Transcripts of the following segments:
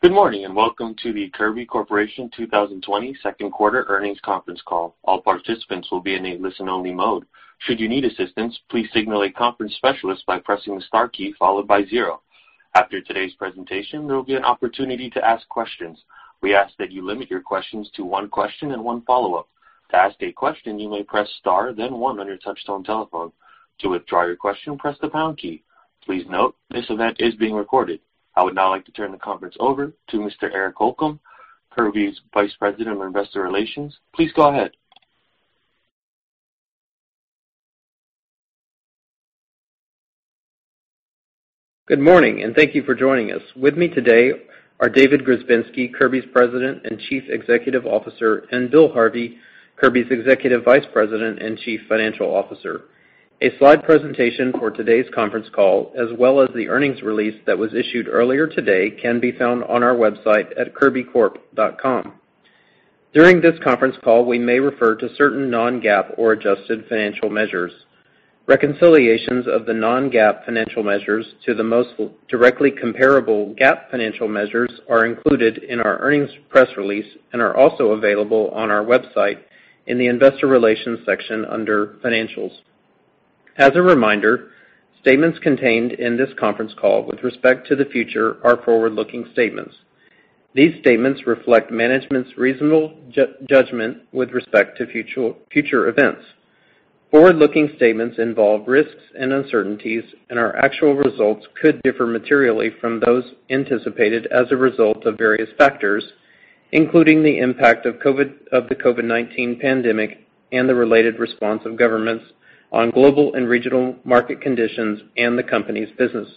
Good morning, and welcome to the Kirby Corporation 2022 second quarter earnings conference call. All participants will be in a listen-only mode. Should you need assistance, please signal a conference specialist by pressing the star key followed by zero. After today's presentation, there will be an opportunity to ask questions. We ask that you limit your questions to one question and one follow-up. To ask a question, you may press star, then one on your touchtone telephone. To withdraw your question, press the pound key. Please note, this event is being recorded. I would now like to turn the conference over to Mr. Eric Holcomb, Kirby's Vice President of Investor Relations. Please go ahead. Good morning, and thank you for joining us. With me today are David Grzebinski, Kirby's President and Chief Executive Officer, and Bill Harvey, Kirby's Executive Vice President and Chief Financial Officer. A slide presentation for today's conference call, as well as the earnings release that was issued earlier today, can be found on our website at kirbycorp.com. During this conference call, we may refer to certain non-GAAP or adjusted financial measures. Reconciliations of the non-GAAP financial measures to the most directly comparable GAAP financial measures are included in our earnings press release and are also available on our website in the Investor Relations section under Financials. As a reminder, statements contained in this conference call with respect to the future are forward-looking statements. These statements reflect management's reasonable judgment with respect to future, future events. Forward-looking statements involve risks and uncertainties, and our actual results could differ materially from those anticipated as a result of various factors, including the impact of the COVID-19 pandemic and the related response of governments on global and regional market conditions and the company's business.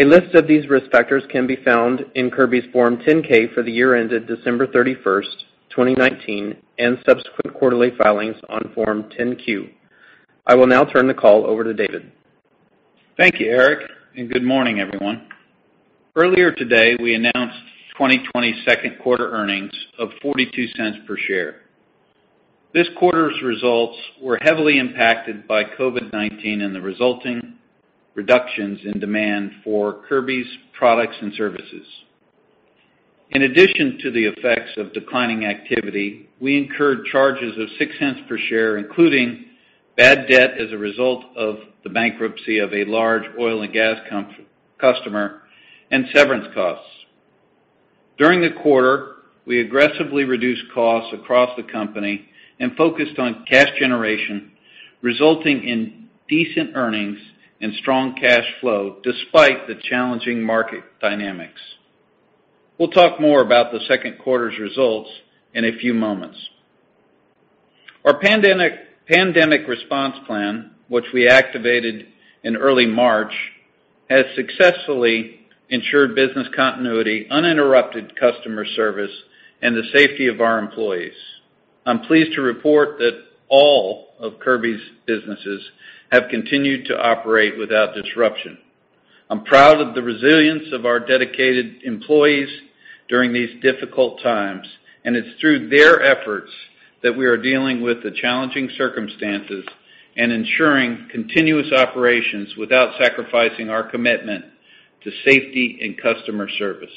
A list of these risk factors can be found in Kirby's Form 10-K for the year ended December 31, 2019, and subsequent quarterly filings on Form 10-Q. I will now turn the call over to David. Thank you, Eric, and good morning, everyone. Earlier today, we announced 2020 second quarter earnings of $0.42 per share. This quarter's results were heavily impacted by COVID-19 and the resulting reductions in demand for Kirby's products and services. In addition to the effects of declining activity, we incurred charges of $0.06 per share, including bad debt as a result of the bankruptcy of a large oil and gas customer, and severance costs. During the quarter, we aggressively reduced costs across the company and focused on cash generation, resulting in decent earnings and strong cash flow despite the challenging market dynamics. We'll talk more about the second quarter's results in a few moments. Our pandemic response plan, which we activated in early March, has successfully ensured business continuity, uninterrupted customer service, and the safety of our employees. I'm pleased to report that all of Kirby's businesses have continued to operate without disruption. I'm proud of the resilience of our dedicated employees during these difficult times, and it's through their efforts that we are dealing with the challenging circumstances and ensuring continuous operations without sacrificing our commitment to safety and customer service.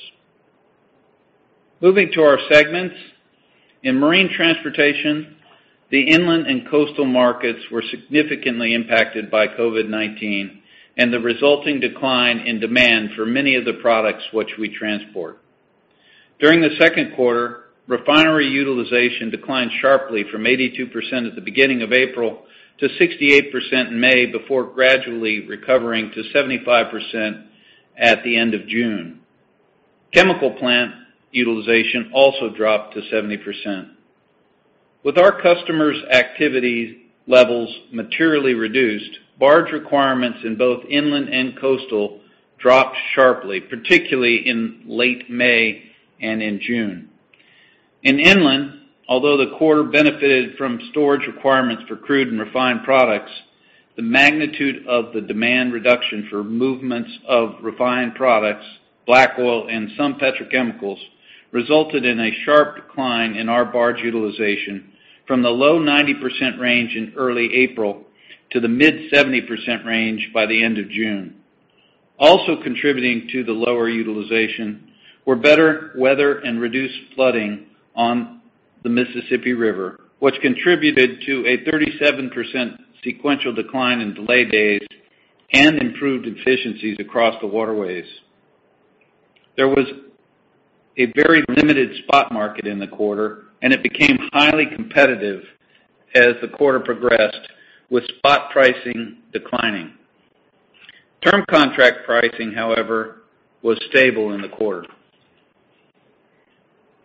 Moving to our segments. In marine transportation, the inland and coastal markets were significantly impacted by COVID-19 and the resulting decline in demand for many of the products which we transport. During the second quarter, refinery utilization declined sharply from 82% at the beginning of April to 68% in May, before gradually recovering to 75% at the end of June. Chemical plant utilization also dropped to 70%. With our customers' activity levels materially reduced, barge requirements in both inland and coastal dropped sharply, particularly in late May and in June. In inland, although the quarter benefited from storage requirements for crude and refined products, the magnitude of the demand reduction for movements of refined products, black oil, and some petrochemicals, resulted in a sharp decline in our barge utilization from the low 90% range in early April to the mid 70% range by the end of June. Also contributing to the lower utilization were better weather and reduced flooding on the Mississippi River, which contributed to a 37% sequential decline in delay days and improved efficiencies across the waterways. There was a very limited spot market in the quarter, and it became highly competitive as the quarter progressed with spot pricing declining. Term contract pricing, however, was stable in the quarter.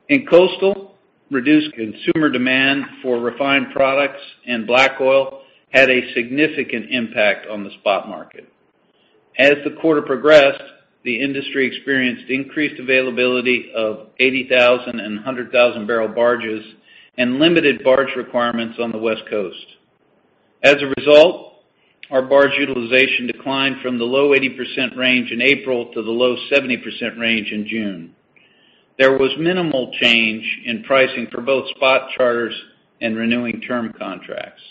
In coastal, reduced consumer demand for refined products and black oil had a significant impact on the spot market. As the quarter progressed, the industry experienced increased availability of 80,000- and 100,000-barrel barges and limited barge requirements on the West Coast. As a result, our barge utilization declined from the low 80% range in April to the low 70% range in June. There was minimal change in pricing for both spot charters and renewing term contracts.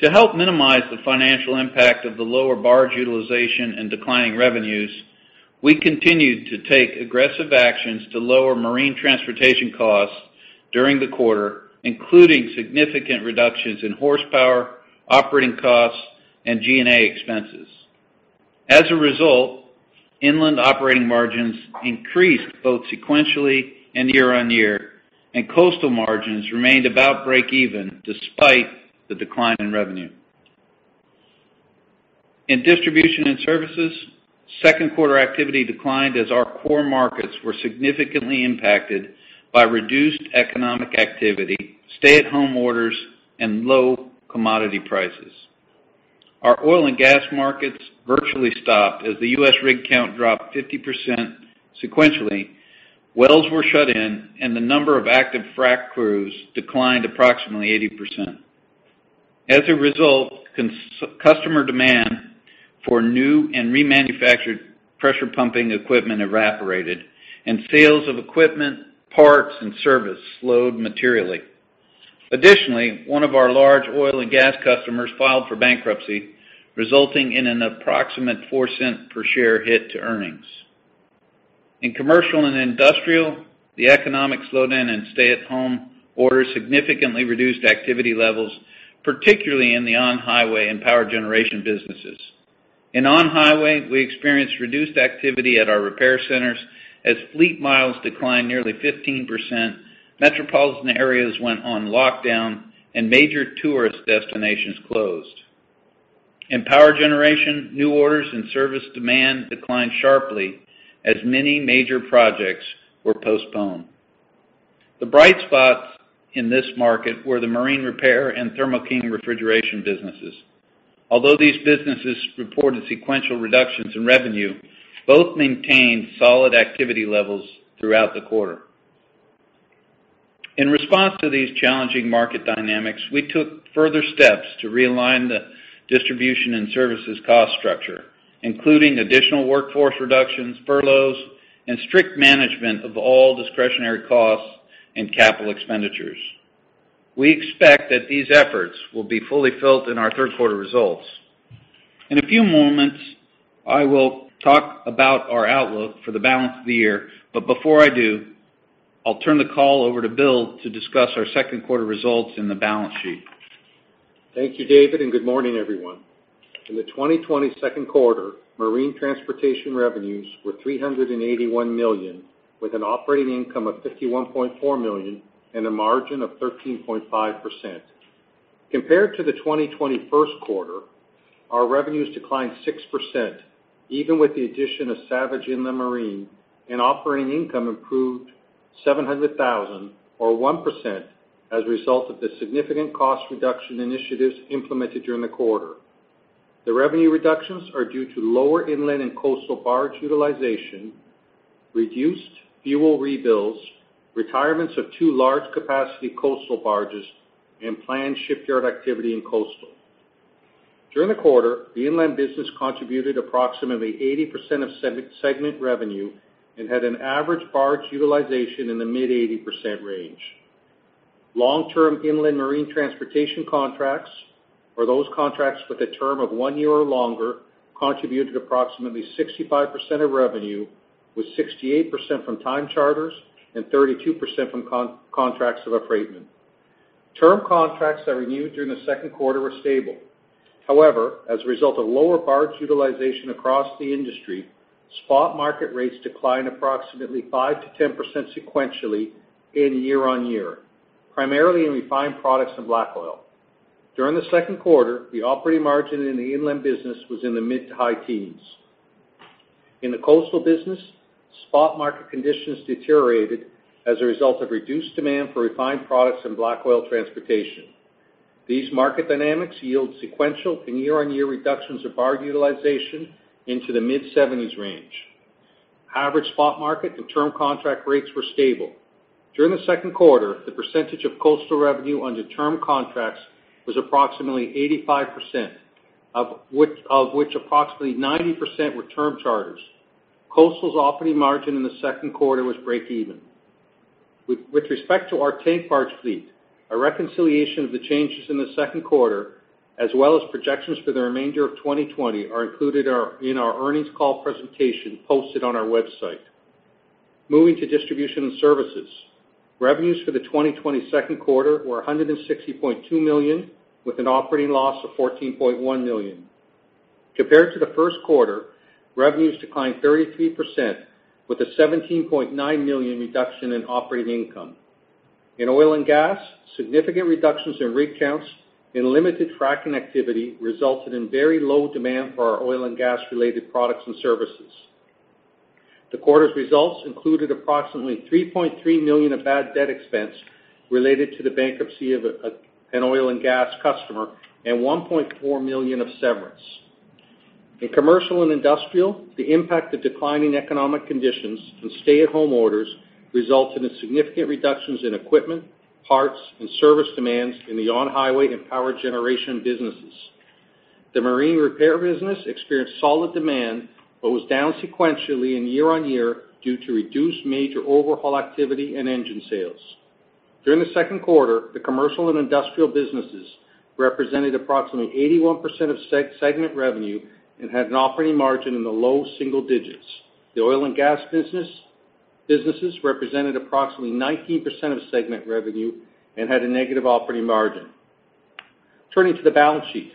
To help minimize the financial impact of the lower barge utilization and declining revenues, we continued to take aggressive actions to lower marine transportation costs during the quarter, including significant reductions in horsepower, operating costs, and G&A expenses. As a result, inland operating margins increased both sequentially and year-on-year, and coastal margins remained about break even despite the decline in revenue. In distribution and services, second quarter activity declined as our core markets were significantly impacted by reduced economic activity, stay-at-home orders, and low commodity prices. Our oil and gas markets virtually stopped as the U.S. rig count dropped 50% sequentially, wells were shut in, and the number of active frac crews declined approximately 80%. As a result, customer demand for new and remanufactured pressure pumping equipment evaporated, and sales of equipment, parts, and service slowed materially. Additionally, one of our large oil and gas customers filed for bankruptcy, resulting in an approximate $0.04 per share hit to earnings. In commercial and industrial, the economic slowdown and stay-at-home orders significantly reduced activity levels, particularly in the on-highway and power generation businesses. In on-highway, we experienced reduced activity at our repair centers as fleet miles declined nearly 15%, metropolitan areas went on lockdown, and major tourist destinations closed. In power generation, new orders and service demand declined sharply as many major projects were postponed. The bright spots in this market were the marine repair and Thermo King refrigeration businesses. Although these businesses reported sequential reductions in revenue, both maintained solid activity levels throughout the quarter. In response to these challenging market dynamics, we took further steps to realign the distribution and services cost structure, including additional workforce reductions, furloughs, and strict management of all discretionary costs and capital expenditures. We expect that these efforts will be fully reflected in our third quarter results. In a few moments, I will talk about our outlook for the balance of the year, but before I do, I'll turn the call over to Bill to discuss our second quarter results and the balance sheet. Thank you, David, and good morning, everyone. In the 2022 second quarter, marine transportation revenues were $381 million, with an operating income of $51.4 million and a margin of 13.5%. Compared to the 2021 first quarter, our revenues declined 6%, even with the addition of Savage Inland Marine, and operating income improved $700,000 or 1% as a result of the significant cost reduction initiatives implemented during the quarter. The revenue reductions are due to lower inland and coastal barge utilization, reduced fuel rebills, retirements of two large capacity coastal barges, and planned shipyard activity in coastal. During the quarter, the inland business contributed approximately 80% of segment revenue and had an average barge utilization in the mid-80% range. Long-term inland marine transportation contracts, or those contracts with a term of one year or longer, contributed approximately 65% of revenue, with 68% from time charters and 32% from contracts of affreightment. Term contracts that renewed during the second quarter were stable. However, as a result of lower barge utilization across the industry, spot market rates declined approximately 5%-10% sequentially in year-on-year, primarily in refined products and black oil. During the second quarter, the operating margin in the inland business was in the mid- to high teens. In the coastal business, spot market conditions deteriorated as a result of reduced demand for refined products and black oil transportation. These market dynamics yield sequential and year-on-year reductions of barge utilization into the mid-70s range. Average spot market and term contract rates were stable. During the second quarter, the percentage of coastal revenue under term contracts was approximately 85%, of which approximately 90% were term charters. Coastal's operating margin in the second quarter was breakeven. With respect to our tank barge fleet, a reconciliation of the changes in the second quarter, as well as projections for the remainder of 2020, are included in our earnings call presentation posted on our website. Moving to distribution and services. Revenues for the 2020 second quarter were $160.2 million, with an operating loss of $14.1 million. Compared to the first quarter, revenues declined 33%, with a $17.9 million reduction in operating income. In oil and gas, significant reductions in rig counts and limited fracking activity resulted in very low demand for our oil and gas-related products and services. The quarter's results included approximately $3.3 million of bad debt expense related to the bankruptcy of an oil and gas customer and $1.4 million of severance. In commercial and industrial, the impact of declining economic conditions and stay-at-home orders resulted in significant reductions in equipment, parts, and service demands in the on-highway and power generation businesses. The marine repair business experienced solid demand, but was down sequentially and year-on-year due to reduced major overhaul activity and engine sales. During the second quarter, the commercial and industrial businesses represented approximately 81% of segment revenue and had an operating margin in the low single digits. The oil and gas businesses represented approximately 19% of segment revenue and had a negative operating margin. Turning to the balance sheet.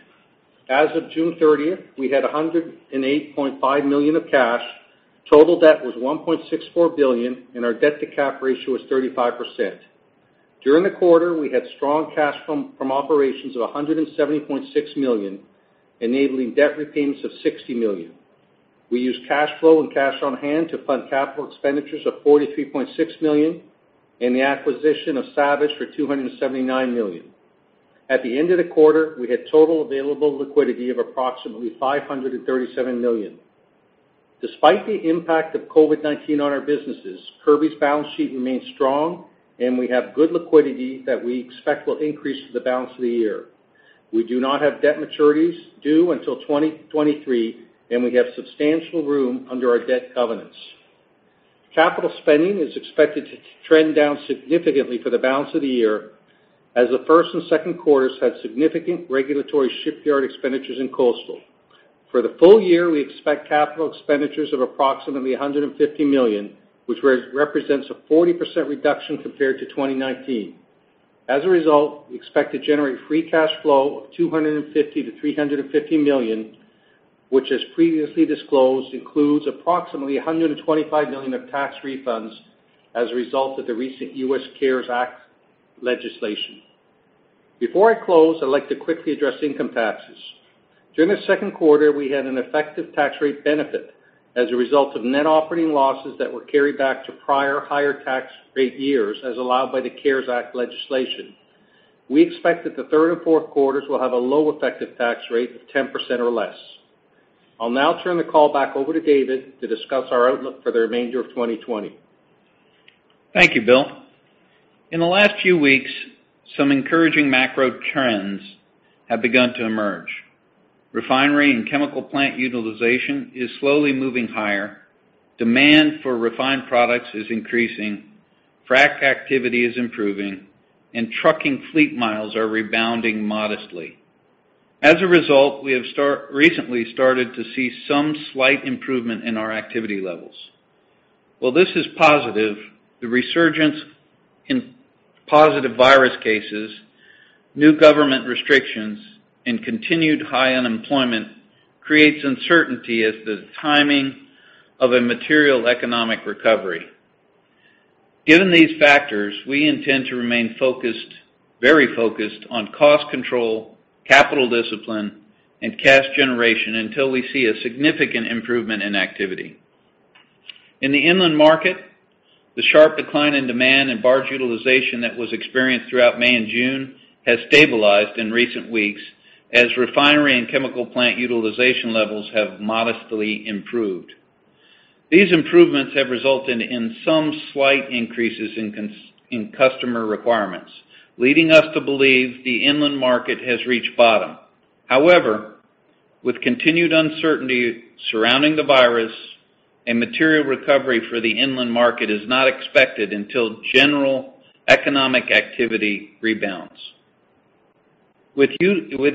As of June 30, we had $108.5 million of cash, total debt was $1.64 billion, and our debt-to-cap ratio was 35%. During the quarter, we had strong cash from operations of $170.6 million, enabling debt repayments of $60 million. We used cash flow and cash on hand to fund capital expenditures of $43.6 million and the acquisition of Savage for $279 million. At the end of the quarter, we had total available liquidity of approximately $537 million. Despite the impact of COVID-19 on our businesses, Kirby's balance sheet remains strong, and we have good liquidity that we expect will increase for the balance of the year. We do not have debt maturities due until 2023, and we have substantial room under our debt covenants. Capital spending is expected to trend down significantly for the balance of the year, as the first and second quarters had significant regulatory shipyard expenditures in coastal. For the full year, we expect capital expenditures of approximately $150 million, which represents a 40% reduction compared to 2019. As a result, we expect to generate free cash flow of $250 million-$350 million, which, as previously disclosed, includes approximately $125 million of tax refunds as a result of the recent U.S. CARES Act legislation. Before I close, I'd like to quickly address income taxes. During the second quarter, we had an effective tax rate benefit as a result of net operating losses that were carried back to prior higher tax rate years, as allowed by the CARES Act legislation. We expect that the third and fourth quarters will have a low effective tax rate of 10% or less. I'll now turn the call back over to David to discuss our outlook for the remainder of 2020. Thank you, Bill. In the last few weeks, some encouraging macro trends have begun to emerge. Refinery and chemical plant utilization is slowly moving higher, demand for refined products is increasing, frac activity is improving, and trucking fleet miles are rebounding modestly. As a result, we have recently started to see some slight improvement in our activity levels. While this is positive, the resurgence in positive virus cases, new government restrictions, and continued high unemployment creates uncertainty as to the timing of a material economic recovery. Given these factors, we intend to remain focused, very focused on cost control, capital discipline, and cash generation until we see a significant improvement in activity. In the inland market, the sharp decline in demand and barge utilization that was experienced throughout May and June has stabilized in recent weeks as refinery and chemical plant utilization levels have modestly improved. These improvements have resulted in some slight increases in customer requirements, leading us to believe the inland market has reached bottom. However, with continued uncertainty surrounding the virus, material recovery for the inland market is not expected until general economic activity rebounds. With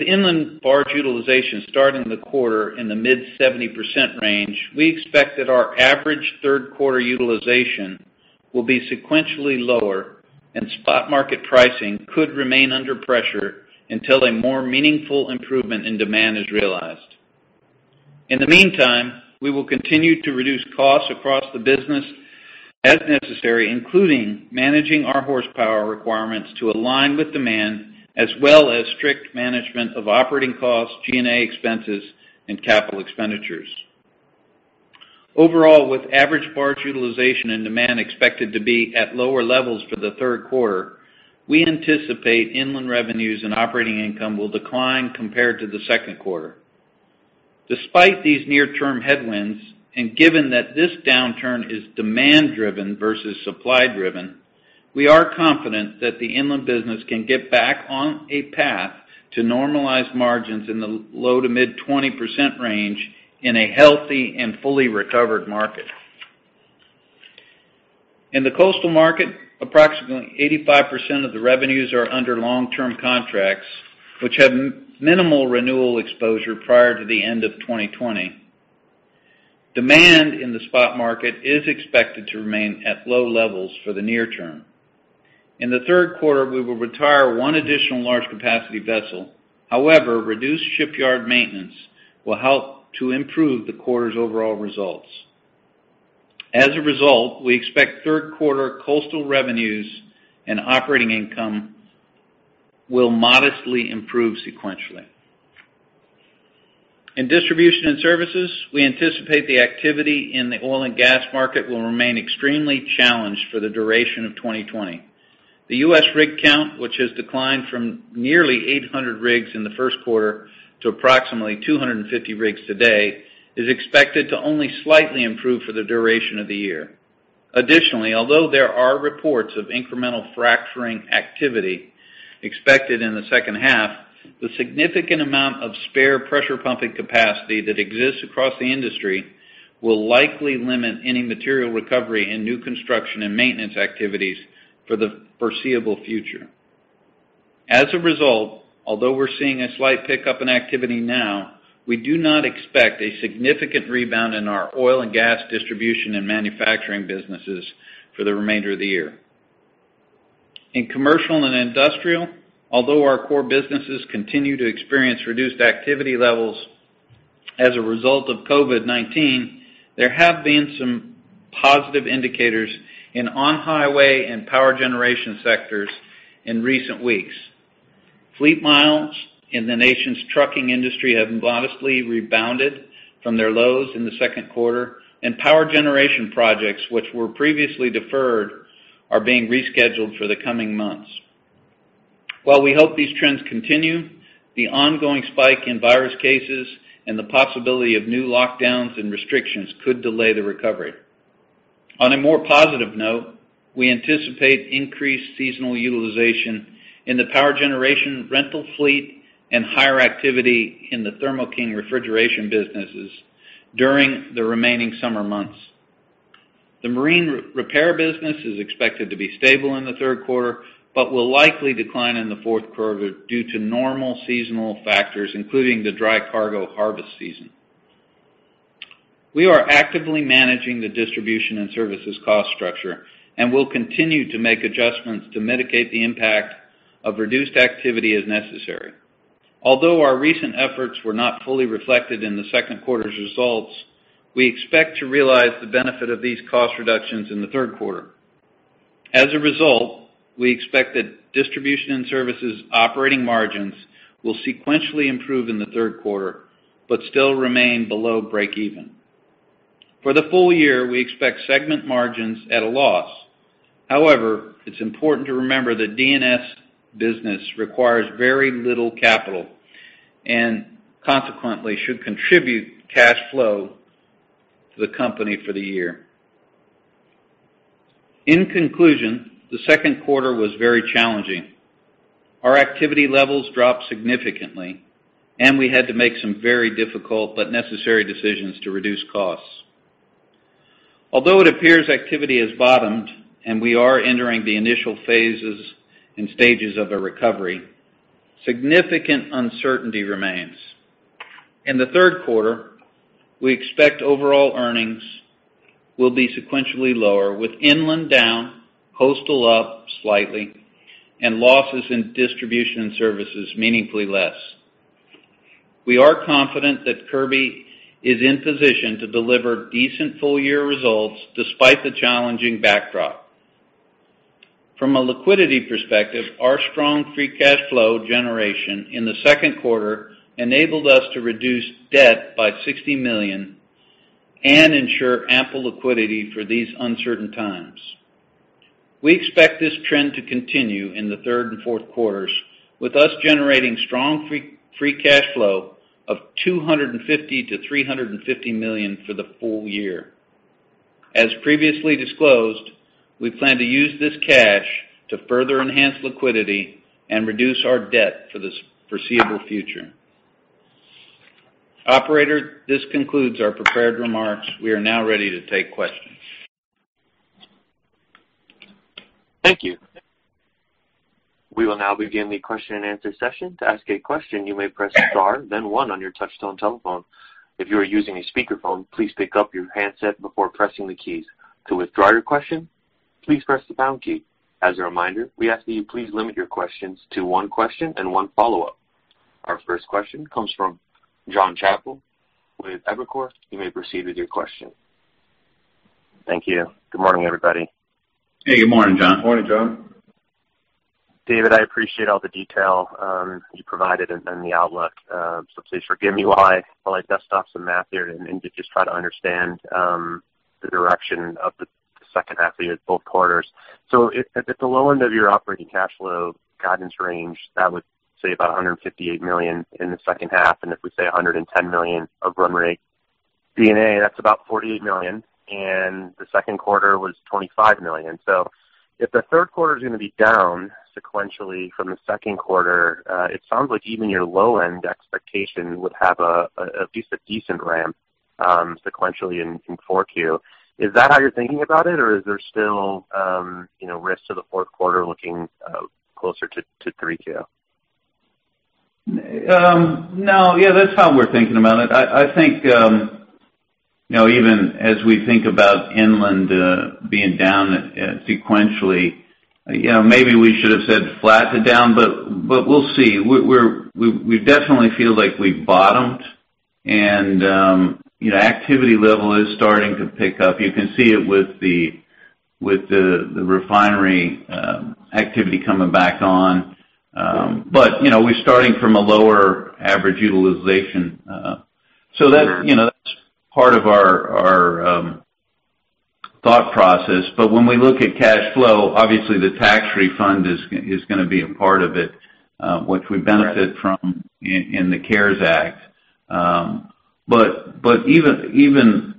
inland barge utilization starting the quarter in the mid-70% range, we expect that our average third quarter utilization will be sequentially lower, and spot market pricing could remain under pressure until a more meaningful improvement in demand is realized. In the meantime, we will continue to reduce costs across the business as necessary, including managing our horsepower requirements to align with demand, as well as strict management of operating costs, G&A expenses, and capital expenditures. Overall, with average barge utilization and demand expected to be at lower levels for the third quarter, we anticipate inland revenues and operating income will decline compared to the second quarter. Despite these near-term headwinds, and given that this downturn is demand-driven versus supply-driven, we are confident that the inland business can get back on a path to normalized margins in the low to mid-20% range in a healthy and fully recovered market. In the coastal market, approximately 85% of the revenues are under long-term contracts, which have minimal renewal exposure prior to the end of 2020. Demand in the spot market is expected to remain at low levels for the near term. In the third quarter, we will retire 1 additional large capacity vessel. However, reduced shipyard maintenance will help to improve the quarter's overall results. As a result, we expect third quarter coastal revenues and operating income will modestly improve sequentially. In distribution and services, we anticipate the activity in the oil and gas market will remain extremely challenged for the duration of 2020. The U.S. rig count, which has declined from nearly 800 rigs in the first quarter to approximately 250 rigs today, is expected to only slightly improve for the duration of the year. Additionally, although there are reports of incremental fracturing activity expected in the second half, the significant amount of spare pressure pumping capacity that exists across the industry will likely limit any material recovery in new construction and maintenance activities for the foreseeable future. As a result, although we're seeing a slight pickup in activity now, we do not expect a significant rebound in our oil and gas distribution and manufacturing businesses for the remainder of the year. In commercial and industrial, although our core businesses continue to experience reduced activity levels as a result of COVID-19, there have been some positive indicators in on-highway and power generation sectors in recent weeks. Fleet miles in the nation's trucking industry have modestly rebounded from their lows in the second quarter, and power generation projects, which were previously deferred, are being rescheduled for the coming months. While we hope these trends continue, the ongoing spike in virus cases and the possibility of new lockdowns and restrictions could delay the recovery. On a more positive note, we anticipate increased seasonal utilization in the power generation rental fleet and higher activity in the Thermo King refrigeration businesses during the remaining summer months. The marine repair business is expected to be stable in the third quarter, but will likely decline in the fourth quarter due to normal seasonal factors, including the dry cargo harvest season. We are actively managing the distribution and services cost structure and will continue to make adjustments to mitigate the impact of reduced activity as necessary. Although our recent efforts were not fully reflected in the second quarter's results, we expect to realize the benefit of these cost reductions in the third quarter. As a result, we expect that distribution and services operating margins will sequentially improve in the third quarter, but still remain below breakeven. For the full year, we expect segment margins at a loss. However, it's important to remember that D&S business requires very little capital and consequently should contribute cash flow to the company for the year. In conclusion, the second quarter was very challenging. Our activity levels dropped significantly, and we had to make some very difficult but necessary decisions to reduce costs. Although it appears activity has bottomed and we are entering the initial phases and stages of a recovery, significant uncertainty remains. In the third quarter, we expect overall earnings will be sequentially lower, with inland down, coastal up slightly, and losses in distribution and services meaningfully less. We are confident that Kirby is in position to deliver decent full-year results despite the challenging backdrop. From a liquidity perspective, our strong free cash flow generation in the second quarter enabled us to reduce debt by $60 million and ensure ample liquidity for these uncertain times. We expect this trend to continue in the third and fourth quarters, with us generating strong free cash flow of $250 million-$350 million for the full year. As previously disclosed, we plan to use this cash to further enhance liquidity and reduce our debt for the foreseeable future. Operator, this concludes our prepared remarks. We are now ready to take questions. Thank you. We will now begin the question-and-answer session. To ask a question, you may press star then one on your touchtone telephone. If you are using a speakerphone, please pick up your handset before pressing the keys. To withdraw your question, please press the pound key. As a reminder, we ask that you please limit your questions to one question and one follow-up. Our first question comes from Jonathan Chappell with Evercore ISI. You may proceed with your question. Thank you. Good morning, everybody. Hey, good morning, John. Good morning, John. David, I appreciate all the detail you provided and the outlook. So please forgive me while I dust off some math here and just try to understand the direction of the second half of the year, both quarters. So if at the low end of your operating cash flow guidance range, that would say about $158 million in the second half, and if we say $110 million of run rate D&A, that's about $48 million, and the second quarter was $25 million. So if the third quarter is going to be down sequentially from the second quarter, it sounds like even your low-end expectation would have at least a decent ramp sequentially in 4Q. Is that how you're thinking about it, or is there still, you know, risks to the fourth quarter looking closer to 3Q? No. Yeah, that's how we're thinking about it. I think, you know, even as we think about inland being down sequentially, you know, maybe we should have said flat to down, but we'll see. We definitely feel like we've bottomed. And, you know, activity level is starting to pick up. You can see it with the refinery activity coming back on. But, you know, we're starting from a lower average utilization. So that's- Sure... you know, that's part of our thought process. But when we look at cash flow, obviously the tax refund is gonna be a part of it, which we benefit from- Right... in the CARES Act. But even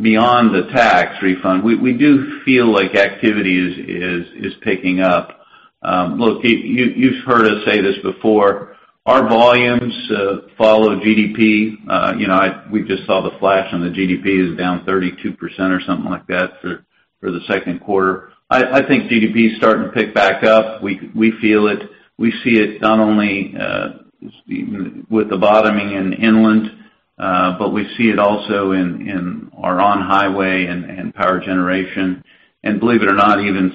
beyond the tax refund, we do feel like activity is picking up. Look, you've heard us say this before, our volumes follow GDP. You know, we just saw the flash on the GDP is down 32% or something like that for the second quarter. I think GDP is starting to pick back up. We feel it. We see it not only with the bottoming in inland, but we see it also in our on highway and power generation, and believe it or not, even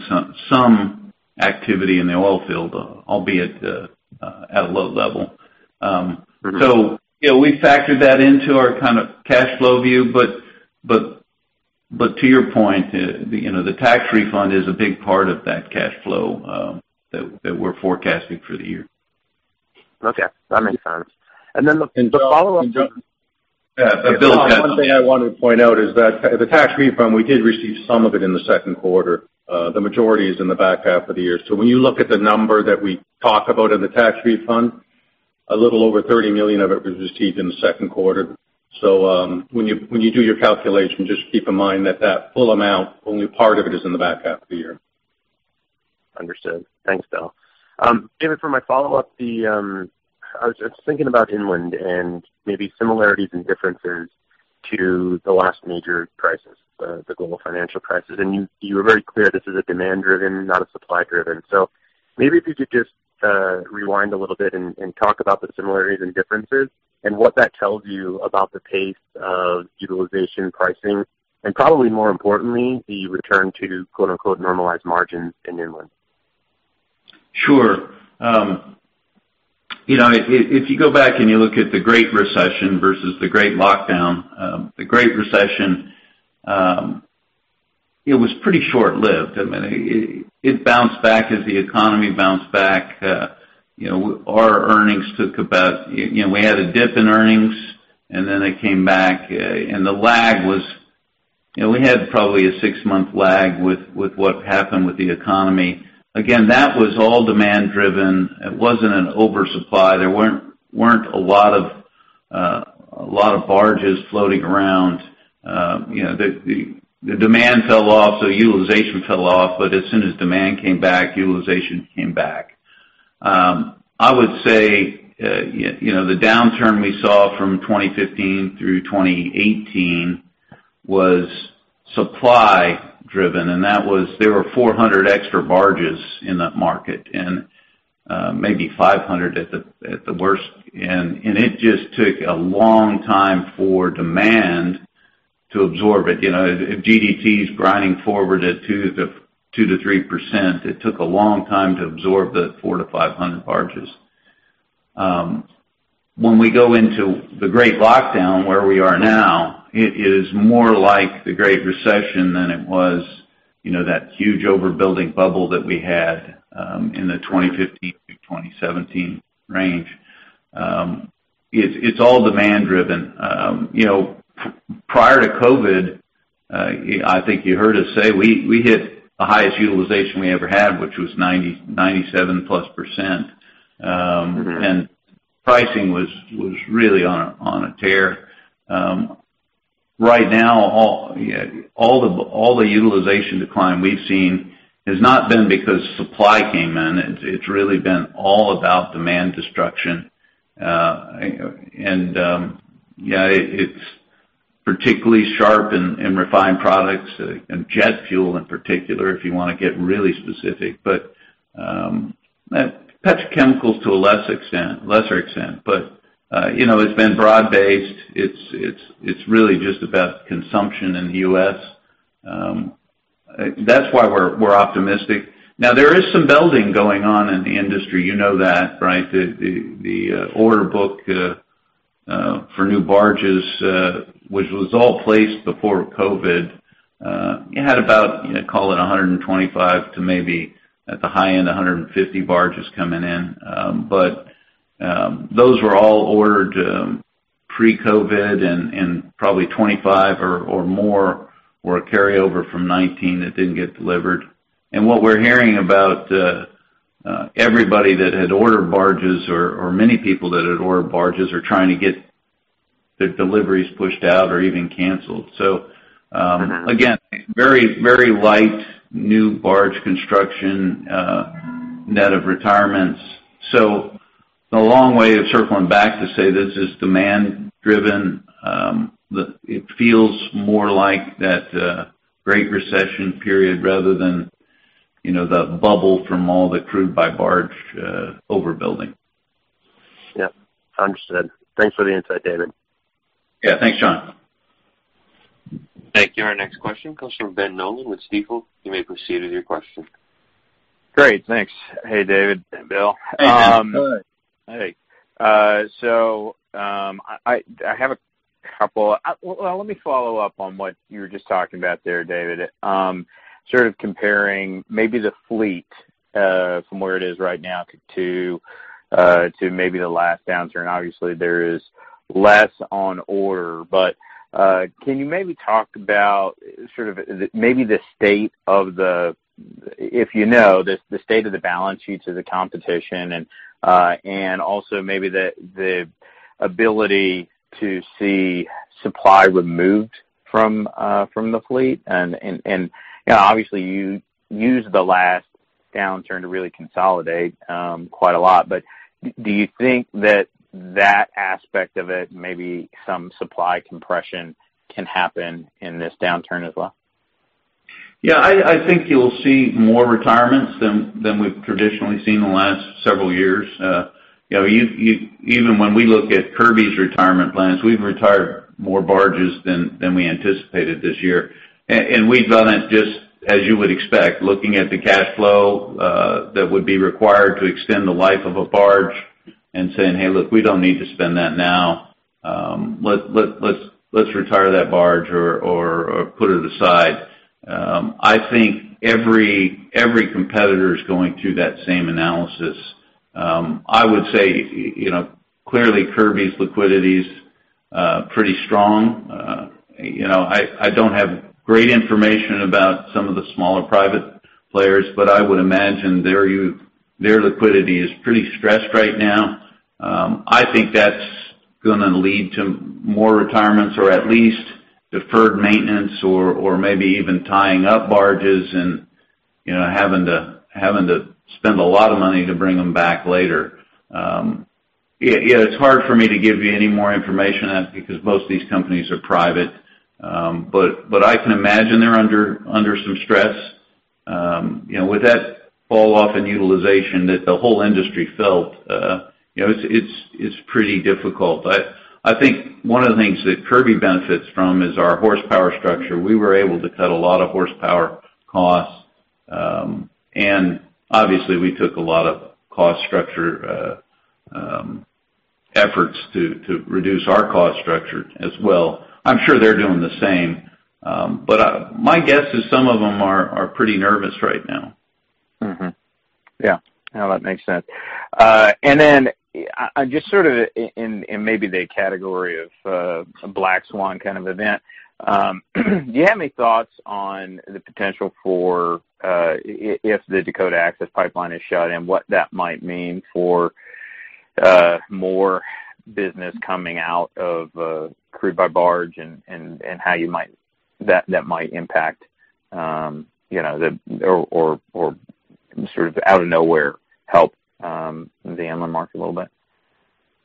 some activity in the oil field, albeit at a low level. So, you know, we factored that into our kind of cash flow view, but to your point, you know, the tax refund is a big part of that cash flow that we're forecasting for the year. Okay. That makes sense. And then the follow-up- Yeah. One thing I wanted to point out is that the tax refund, we did receive some of it in the second quarter. The majority is in the back half of the year. So when you look at the number that we talk about in the tax refund, a little over $30 million of it was received in the second quarter. So, when you, when you do your calculation, just keep in mind that, that full amount, only part of it is in the back half of the year. Understood. Thanks, Bill. David, for my follow-up, I was just thinking about inland and maybe similarities and differences to the last major crisis, the global financial crisis. And you, you were very clear, this is a demand-driven, not a supply-driven. So maybe if you could just rewind a little bit and talk about the similarities and differences, and what that tells you about the pace of utilization pricing, and probably more importantly, the return to, quote, unquote, normalized margins in inland. Sure. You know, if you go back and you look at the Great Recession versus the great lockdown, the Great Recession, it was pretty short-lived. I mean, it bounced back as the economy bounced back. You know, our earnings took about... You know, we had a dip in earnings, and then they came back, and the lag was, you know, we had probably a six-month lag with what happened with the economy. Again, that was all demand driven. It wasn't an oversupply. There weren't a lot of barges floating around. You know, the demand fell off, so utilization fell off, but as soon as demand came back, utilization came back. I would say, you know, the downturn we saw from 2015 through 2018 was supply driven, and that was there were 400 extra barges in that market, and maybe 500 at the worst. And it just took a long time for demand to absorb it. You know, if GDP is grinding forward at 2%-3%, it took a long time to absorb the 400-500 barges. When we go into the Great Lockdown, where we are now, it is more like the Great Recession than it was, you know, that huge overbuilding bubble that we had in the 2015-2017 range. It's all demand driven. You know, prior to COVID, I think you heard us say, we hit the highest utilization we ever had, which was 97%+. Mm-hmm. And pricing was really on a tear. Right now, all the utilization decline we've seen has not been because supply came in, it's really been all about demand destruction. It's particularly sharp in refined products and jet fuel in particular, if you want to get really specific. But, petrochemicals to a less extent, lesser extent, but you know, it's been broad-based. It's really just about consumption in the U.S. That's why we're optimistic. Now, there is some building going on in the industry. You know that, right? The order book for new barges, which was all placed before COVID, you had about, you know, call it 125 to maybe, at the high end, 150 barges coming in. But, those were all ordered, pre-COVID and, and probably 25 or, or more were a carryover from 2019 that didn't get delivered. And what we're hearing about, everybody that had ordered barges or, or many people that had ordered barges, are trying to get their deliveries pushed out or even canceled. So, again, very, very light new barge construction, net of retirements. So a long way of circling back to say this is demand driven. The- it feels more like that, Great Recession period rather than, you know, the bubble from all the crude by barge, overbuilding. Yep. Understood. Thanks for the insight, David. Yeah, thanks, Jonathan. Thank you. Our next question comes from Ben Nolan with Stifel. You may proceed with your question. Great, thanks. Hey, David and Bill. Hey, Ben. How are you? Well, let me follow up on what you were just talking about there, David. Sort of comparing maybe the fleet from where it is right now to maybe the last downturn. Obviously, there is less on order, but can you maybe talk about sort of maybe the state of the balance sheets of the competition and also maybe the ability to see supply removed from the fleet. You know, obviously, you used the last downturn to really consolidate quite a lot. But do you think that that aspect of it, maybe some supply compression, can happen in this downturn as well? Yeah, I think you'll see more retirements than we've traditionally seen in the last several years. You know, even when we look at Kirby's retirement plans, we've retired more barges than we anticipated this year. And we've done it just as you would expect, looking at the cash flow that would be required to extend the life of a barge and saying, "Hey, look, we don't need to spend that now. Let's retire that barge or put it aside." I think every competitor is going through that same analysis. I would say, you know, clearly, Kirby's liquidity's pretty strong. You know, I don't have great information about some of the smaller private players, but I would imagine their liquidity is pretty stressed right now. I think that's gonna lead to more retirements or at least deferred maintenance or maybe even tying up barges and, you know, having to spend a lot of money to bring them back later. Yeah, it's hard for me to give you any more information on it, because most of these companies are private. But I can imagine they're under some stress. You know, with that falloff in utilization that the whole industry felt, you know, it's pretty difficult. I think one of the things that Kirby benefits from is our horsepower structure. We were able to cut a lot of horsepower costs, and obviously, we took a lot of cost structure efforts to reduce our cost structure as well. I'm sure they're doing the same, but my guess is some of them are pretty nervous right now. Mm-hmm. Yeah. No, that makes sense. And then, just sort of in the category of a black swan kind of event, do you have any thoughts on the potential for, if the Dakota Access Pipeline is shut in, what that might mean for more business coming out of crude by barge and how you might... That might impact, you know, or sort of out of nowhere, help the inland market a little bit?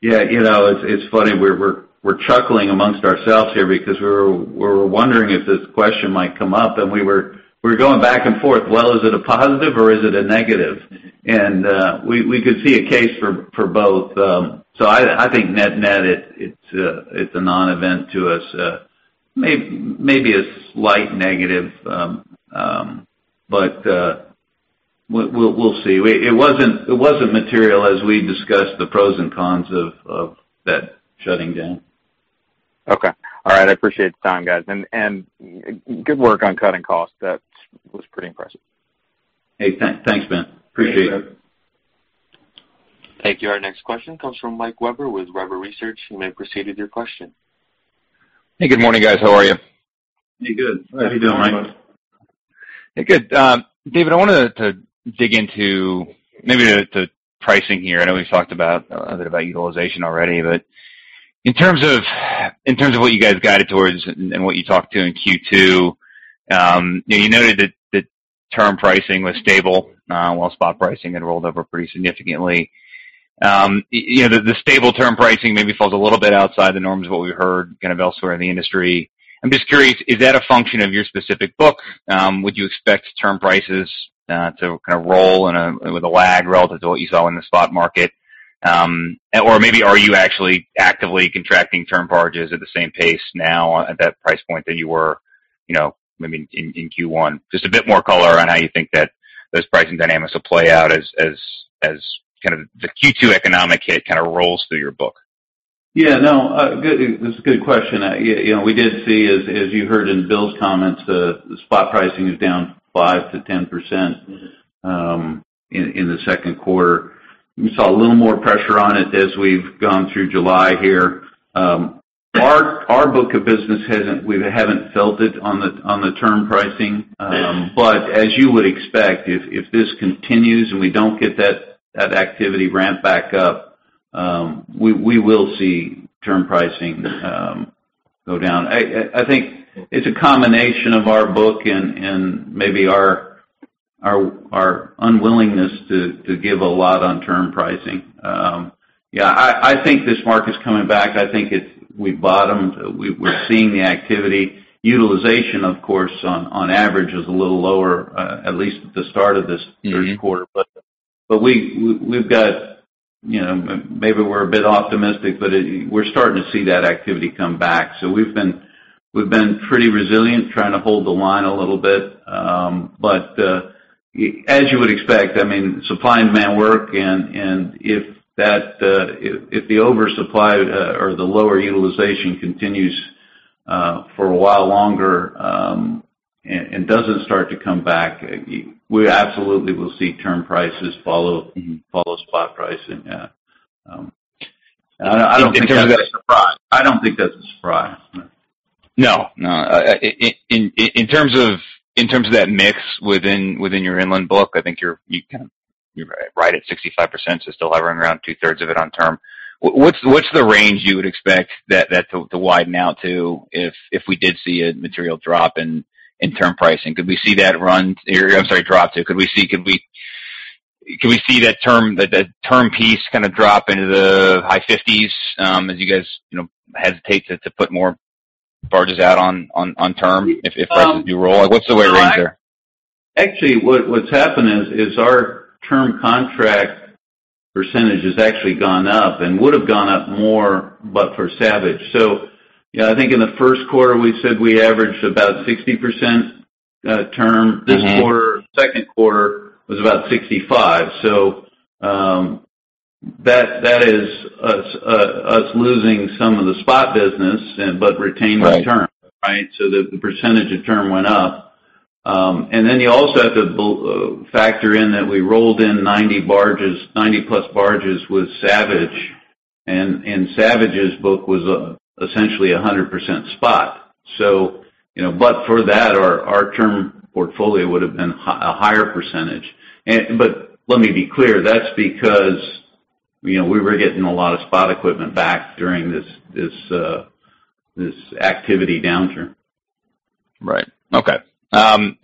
Yeah, you know, it's funny, we're chuckling amongst ourselves here because we're wondering if this question might come up, and we were going back and forth, well, is it a positive or is it a negative? And we could see a case for both. So I think net-net, it's a non-event to us. Maybe a slight negative, but we'll see. It wasn't material as we discussed the pros and cons of that shutting down. Okay. All right. I appreciate the time, guys, and good work on cutting costs. That was pretty impressive. Hey, thanks, Ben. Appreciate it. Thank you. Our next question comes from Mike Webber with Webber Research. You may proceed with your question. Hey, good morning, guys. How are you? Hey, good. How are you doing, Mike? Hey, good. David, I wanted to dig into maybe the pricing here. I know we've talked about a bit about utilization already, but in terms of what you guys guided towards and what you talked to in Q2, you know, you noted that the term pricing was stable while spot pricing had rolled over pretty significantly. You know, the stable term pricing maybe falls a little bit outside the norm of what we heard kind of elsewhere in the industry. I'm just curious, is that a function of your specific book? Would you expect term prices to kind of roll in with a lag relative to what you saw in the spot market? Or maybe are you actually actively contracting term barges at the same pace now at that price point that you were, you know, maybe in, in Q1? Just a bit more color on how you think that those pricing dynamics will play out as kind of the Q2 economic hit kind of rolls through your book. Yeah, no, good. It's a good question. You know, we did see, as you heard in Bill's comments, the spot pricing is down 5%-10%. Mm-hmm... in the second quarter. We saw a little more pressure on it as we've gone through July here. Our book of business hasn't; we haven't felt it on the term pricing. Mm-hmm. But as you would expect, if this continues and we don't get that activity ramped back up, we will see term pricing go down. I think it's a combination of our book and maybe our unwillingness to give a lot on term pricing. Yeah, I think this market's coming back. I think it's. We've bottomed. We're seeing the activity. Utilization, of course, on average, is a little lower, at least at the start of this third quarter. Mm-hmm. But we've got, you know, maybe we're a bit optimistic, but we're starting to see that activity come back. So we've been pretty resilient, trying to hold the line a little bit. But as you would expect, I mean, supply and demand work, and if the oversupply or the lower utilization continues for a while longer, and doesn't start to come back, we absolutely will see term prices follow spot pricing. Yeah. I don't think that's a surprise. I don't think that's a surprise. No, no. In terms of that mix within your inland book, I think you're kind of right at 65%, so still hovering around two thirds of it on term. What's the range you would expect that to widen out to, if we did see a material drop in term pricing? Could we see that run, or I'm sorry, drop to? Could we see, can we see that term, the term piece kind of drop into the high fifties, as you guys you know hesitate to put more barges out on term, if prices do roll? What's the range there? Actually, what's happened is our term contract percentage has actually gone up and would have gone up more, but for Savage. So, you know, I think in the first quarter, we said we averaged about 60% term. Mm-hmm. This quarter, second quarter, was about 65. So, that is us losing some of the spot business and, but retaining- Right. -the term, right? So the percentage of term went up. And then you also have to factor in that we rolled in 90 barges, 90-plus barges with Savage, and Savage's book was essentially 100% spot. So, you know, but for that, our term portfolio would have been a higher percentage. But let me be clear, that's because, you know, we were getting a lot of spot equipment back during this activity downturn. Right. Okay. And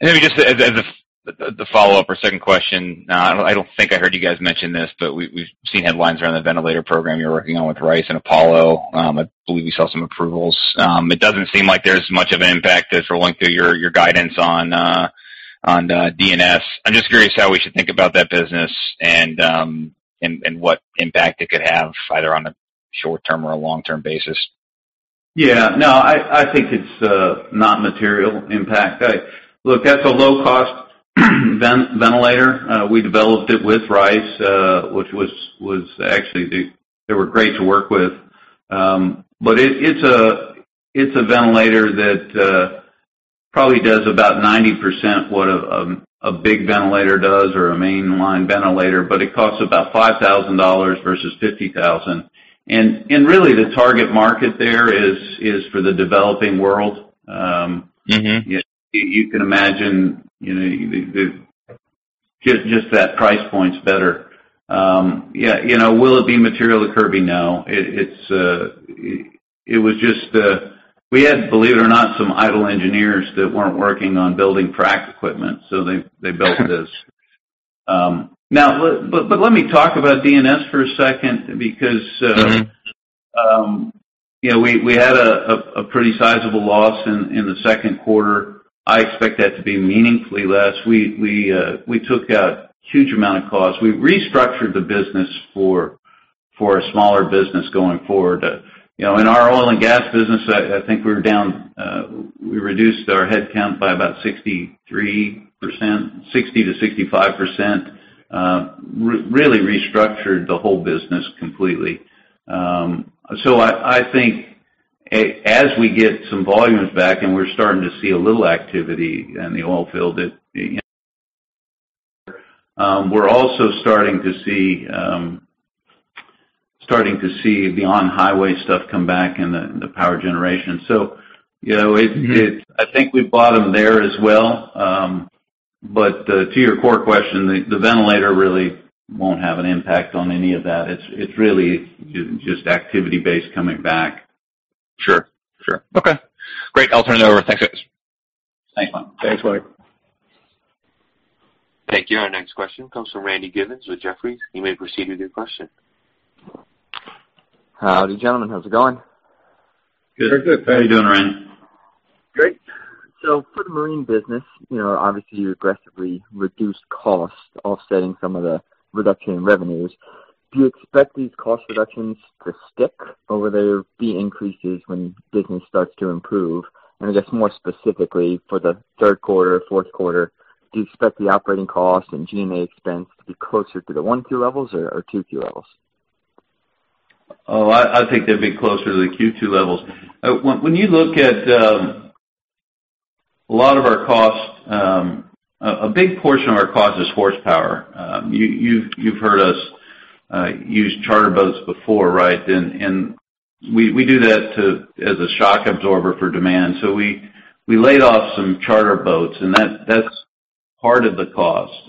then just as a the follow-up or second question, I don't think I heard you guys mention this, but we've seen headlines around the ventilator program you're working on with Rice and Apollo. I believe you saw some approvals. It doesn't seem like there's much of an impact as we're going through your guidance on D&S. I'm just curious how we should think about that business and what impact it could have, either on a short-term or a long-term basis. Yeah. No, I think it's not material impact. Look, that's a low-cost ventilator. We developed it with Rice, which was actually great to work with. But it's a ventilator that probably does about 90% what a big ventilator does or a mainline ventilator, but it costs about $5,000 versus $50,000. And really, the target market there is for the developing world. Mm-hmm. You can imagine, you know, just that price point's better. Yeah, you know, will it be material to Kirby? No. It was just, we had, believe it or not, some idle engineers that weren't working on building frac equipment, so they built this. Now, but let me talk about D&S for a second because, Mm-hmm. You know, we had a pretty sizable loss in the second quarter. I expect that to be meaningfully less. We took out a huge amount of costs. We restructured the business for a smaller business going forward. You know, in our oil and gas business, I think we're down, we reduced our headcount by about 63%, 60%-65%. Really restructured the whole business completely. So I think as we get some volumes back, and we're starting to see a little activity in the oil field, we're also starting to see the on-highway stuff come back and the power generation. So, you know, it- Mm-hmm. I think we bought them there as well. But to your core question, the ventilator really won't have an impact on any of that. It's really just activity based coming back. Sure. Sure. Okay, great. I'll turn it over. Thanks, guys. Thanks, Mike. Thanks, Mike. Thank you. Our next question comes from Randy Giveans with Jefferies. You may proceed with your question. Howdy, gentlemen. How's it going? Good. Very good. How are you doing, Randy? Great! So for the marine business, you know, obviously you aggressively reduced costs, offsetting some of the reduction in revenues. Do you expect these cost reductions to stick over there, be increases when business starts to improve? And I guess more specifically for the third quarter, fourth quarter, do you expect the operating costs and G&A expense to be closer to the 1Q levels or, or 2Q levels? Oh, I think they'd be closer to the Q2 levels. When you look at a lot of our costs, a big portion of our cost is horsepower. You've heard us use charter boats before, right? And we do that as a shock absorber for demand. So we laid off some charter boats, and that's part of the cost.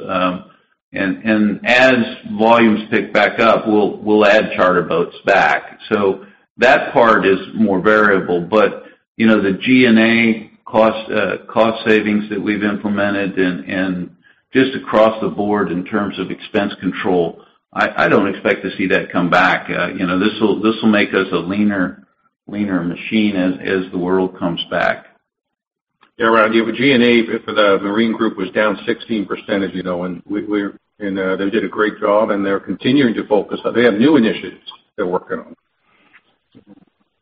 And as volumes pick back up, we'll add charter boats back. So that part is more variable. But you know, the G&A cost savings that we've implemented and just across the board in terms of expense control, I don't expect to see that come back. You know, this will make us a leaner machine as the world comes back. Yeah, Randy, the G&A for the marine group was down 16%, as you know, and we and they did a great job, and they're continuing to focus. They have new initiatives they're working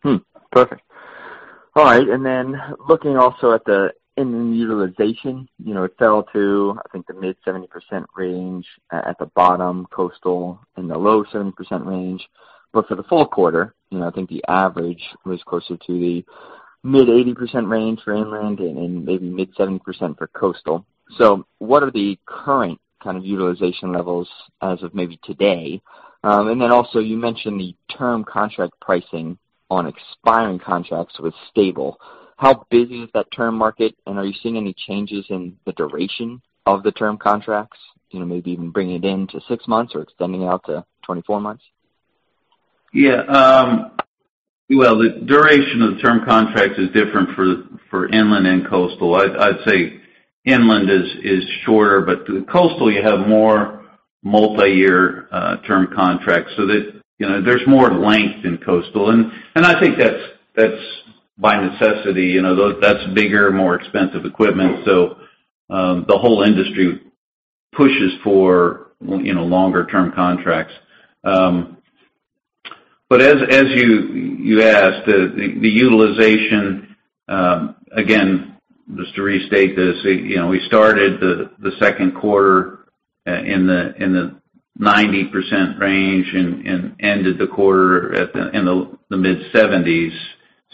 on. Perfect. All right, and then looking also at the inland utilization, you know, it fell to, I think, the mid-70% range at the bottom, coastal in the low-70% range. But for the fall quarter, you know, I think the average was closer to the mid-80% range for inland and maybe mid-70% for coastal. So what are the current kind of utilization levels as of maybe today? And then also, you mentioned the term contract pricing on expiring contracts was stable. How busy is that term market, and are you seeing any changes in the duration of the term contracts? You know, maybe even bringing it in to 6 months or extending it out to 24 months? Yeah, well, the duration of the term contracts is different for inland and coastal. I'd say inland is shorter, but the coastal, you have more multi-year term contracts, so that, you know, there's more length in coastal. And I think that's by necessity, you know, that's bigger, more expensive equipment. So, the whole industry pushes for, you know, longer term contracts. But as you asked, the utilization, again, just to restate this, you know, we started the second quarter in the 90% range and ended the quarter in the mid-70s.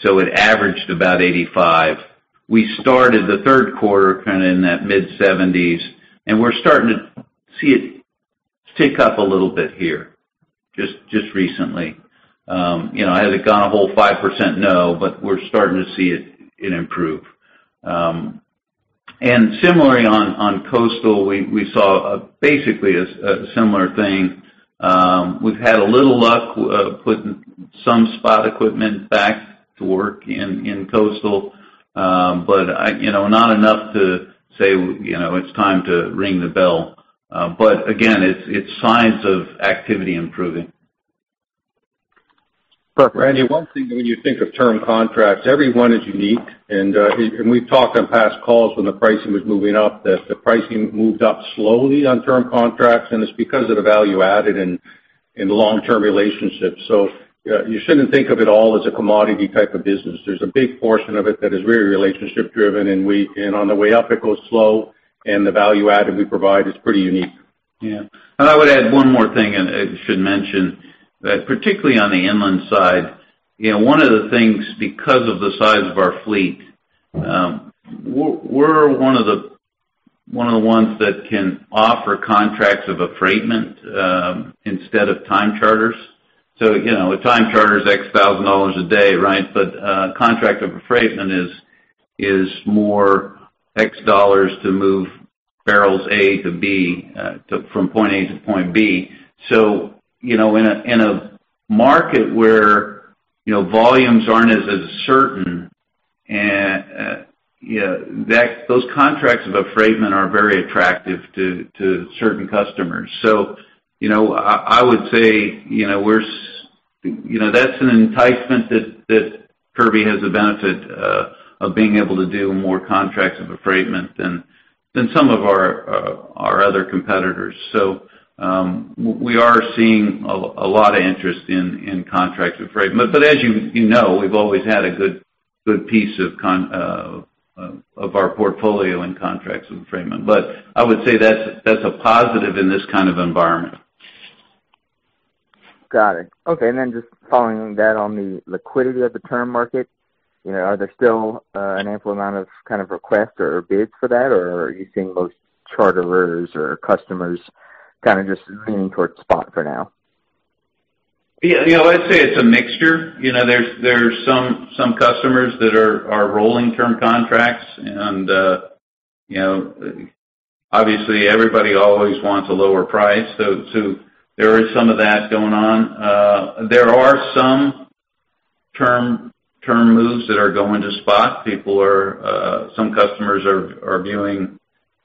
So it averaged about 85%. We started the third quarter kind of in that mid-70s, and we're starting to see it tick up a little bit here, just recently. You know, has it gone a whole 5%? No. But we're starting to see it improve. And similarly, on coastal, we saw basically a similar thing. We've had a little luck putting some spot equipment back to work in coastal. But, you know, not enough to say, you know, it's time to ring the bell. But again, it's signs of activity improving. Randy, one thing when you think of term contracts, every one is unique, and we've talked on past calls when the pricing was moving up, that the pricing moved up slowly on term contracts, and it's because of the value added in the long-term relationships. So, you shouldn't think of it all as a commodity type of business. There's a big portion of it that is very relationship driven, and on the way up, it goes slow, and the value add that we provide is pretty unique. Yeah. And I would add one more thing, and I should mention that particularly on the inland side, you know, one of the things, because of the size of our fleet, we're one of the ones that can offer contracts of affreightment instead of time charters. So, you know, a time charter is $X thousand a day, right? But contract of affreightment is more $X to move barrels A to B, to from point A to point B. So, you know, in a market where, you know, volumes aren't as certain, you know, that those contracts of affreightment are very attractive to certain customers. So, you know, I would say, you know, we're you know, that's an enticement that Kirby has the benefit of being able to do more contracts of affreightment than some of our other competitors. So, we are seeing a lot of interest in contracts of affreightment. But as you know, we've always had a good piece of our portfolio in contracts of affreightment. But I would say that's a positive in this kind of environment. Got it. Okay, and then just following that, on the liquidity of the term market, you know, are there still an ample amount of kind of requests or bids for that? Or are you seeing those charterers or customers kind of just leaning towards spot for now? Yeah, you know, I'd say it's a mixture. You know, there's some customers that are rolling term contracts, and, you know, obviously, everybody always wants a lower price, so there is some of that going on. There are some term moves that are going to spot. Some customers are viewing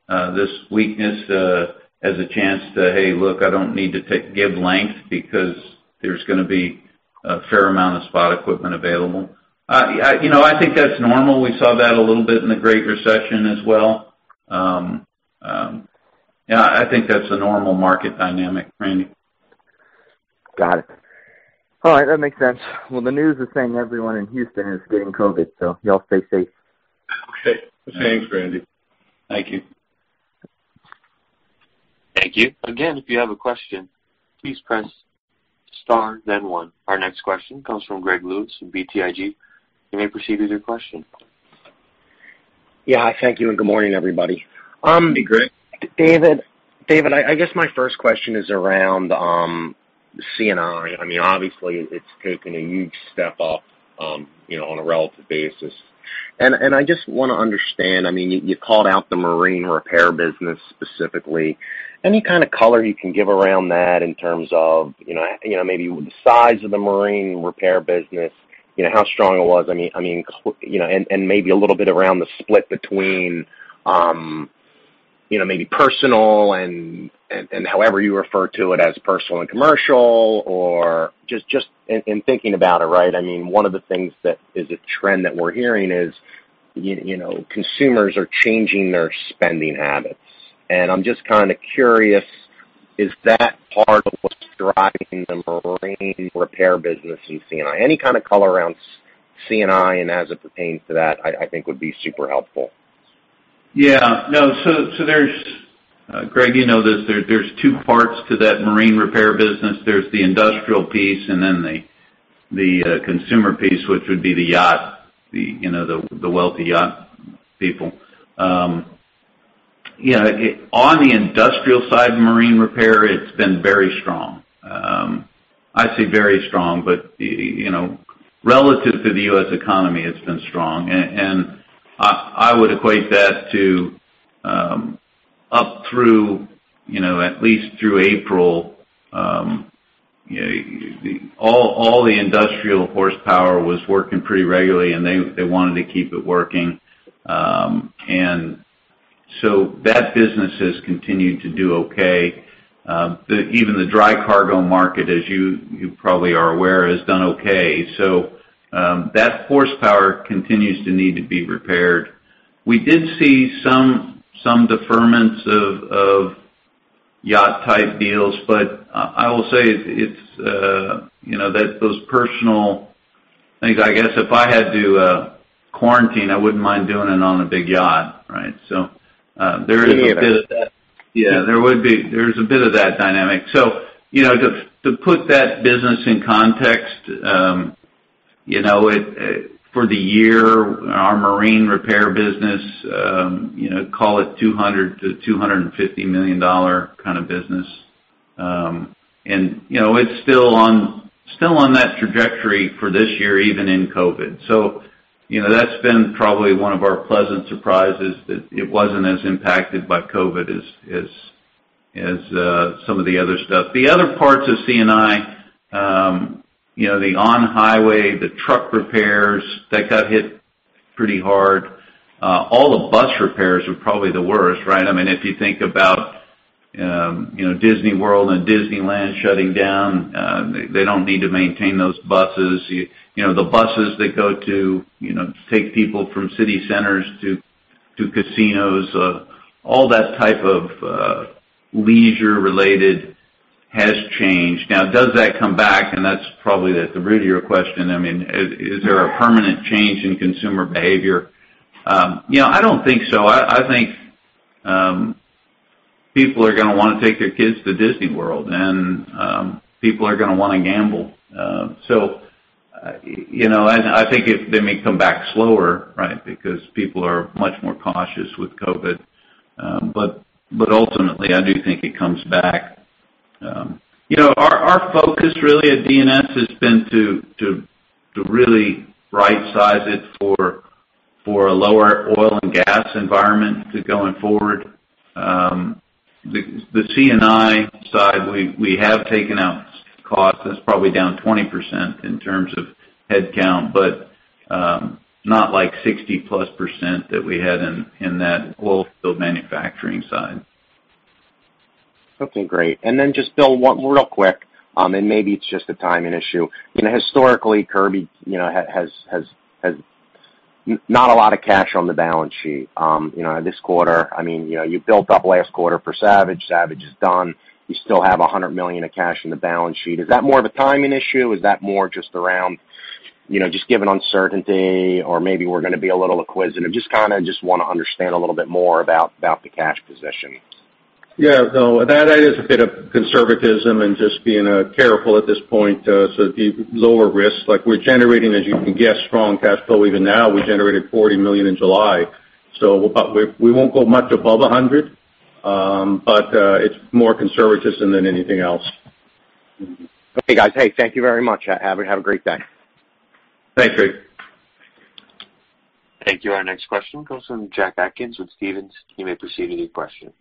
this weakness as a chance to, "Hey, look, I don't need to take, give length," because there's gonna be a fair amount of spot equipment available. You know, I think that's normal. We saw that a little bit in the Great Recession as well. Yeah, I think that's a normal market dynamic, Randy. Got it. All right, that makes sense. Well, the news is saying everyone in Houston is getting COVID, so y'all stay safe. Okay. Thanks, Randy. Thank you. Thank you. Again, if you have a question, please press star then one. Our next question comes from Greg Lewis from BTIG. You may proceed with your question. Yeah. Thank you, and good morning, everybody. Hey, Greg. David, I guess my first question is around C&I. I mean, obviously, it's taken a huge step up, you know, on a relative basis. And I just want to understand, I mean, you called out the marine repair business specifically. Any kind of color you can give around that in terms of, you know, maybe the size of the marine repair business, you know, how strong it was? I mean, you know, and maybe a little bit around the split between, you know, maybe personal and however you refer to it, as personal and commercial, or just in thinking about it, right? I mean, one of the things that is a trend that we're hearing is, you know, consumers are changing their spending habits. I'm just kind of curious, is that part of what's driving the marine repair business in C&I? Any kind of color around C&I and as it pertains to that, I think would be super helpful.... Yeah, no. So, there's, Greg, you know this, there's two parts to that marine repair business. There's the industrial piece, and then the consumer piece, which would be the yacht, you know, the wealthy yacht people. Yeah, on the industrial side of marine repair, it's been very strong. I say very strong, but, you know, relative to the U.S. economy, it's been strong. And I would equate that to, up through, you know, at least through April, you know, all the industrial horsepower was working pretty regularly, and they wanted to keep it working. And so that business has continued to do okay. Even the dry cargo market, as you probably are aware, has done okay. So, that horsepower continues to need to be repaired. We did see some deferments of yacht-type deals, but I will say it's, you know, that those personal things, I guess if I had to quarantine, I wouldn't mind doing it on a big yacht, right? So, there is a bit of that. Yeah, there would be. There's a bit of that dynamic. So, you know, to put that business in context, you know, it for the year, our marine repair business, you know, call it $200 million-$250 million kind of business. And, you know, it's still on that trajectory for this year, even in COVID. So, you know, that's been probably one of our pleasant surprises, that it wasn't as impacted by COVID as some of the other stuff. The other parts of C&I, you know, the on-highway, the truck repairs, that got hit pretty hard. All the bus repairs are probably the worst, right? I mean, if you think about, you know, Disney World and Disneyland shutting down, they don't need to maintain those buses. You know, the buses that go to, you know, take people from city centers to casinos, all that type of leisure related has changed. Now, does that come back? That's probably at the root of your question. I mean, is there a permanent change in consumer behavior? You know, I don't think so. I think people are gonna wanna take their kids to Disney World, and people are gonna wanna gamble. So, you know, I think they may come back slower, right? Because people are much more cautious with COVID, but ultimately, I do think it comes back. You know, our focus really at D&S has been to really right size it for a lower oil and gas environment going forward. The C&I side, we have taken out costs. That's probably down 20% in terms of head count, but not like 60%+ that we had in that oil field manufacturing side. Okay, great. And then just Bill, one real quick, and maybe it's just a timing issue. You know, historically, Kirby, you know, has not a lot of cash on the balance sheet. You know, this quarter, I mean, you know, you built up last quarter for Savage. Savage is done. You still have $100 million of cash on the balance sheet. Is that more of a timing issue? Is that more just around, you know, just given uncertainty or maybe we're gonna be a little acquisitive? Just kind of wanna understand a little bit more about the cash position. Yeah. No, that is a bit of conservatism and just being careful at this point. So lower risk, like we're generating, as you can guess, strong cash flow even now. We generated $40 million in July, so we'll, we won't go much above $100. But it's more conservatism than anything else. Mm-hmm. Okay, guys. Hey, thank you very much. Have a great day. Thanks, Greg. Thank you. Our next question comes from Jack Atkins with Stephens. You may proceed with your question.